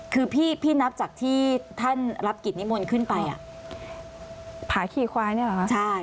คือพี่นับจากที่ท่านรับกิจนิมนต์ขึ้นไปผาขี่ควายเนี่ยเหรอคะใช่